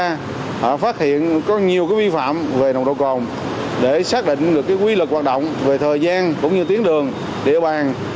tổ công tác đã phát hiện có nhiều cái vi phạm về nồng đồ cồn để xác định được cái quy lực hoạt động về thời gian cũng như tiến đường địa bàn